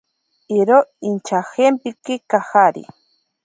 Iro inchajempeki kajari.